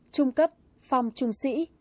trung cấp phong trung sĩ